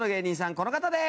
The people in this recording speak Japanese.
この方です。